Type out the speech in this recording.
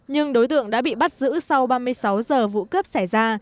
nhưng đối tượng đã bị bắt giữ sau ba mươi sáu giờ vụ cướp xảy ra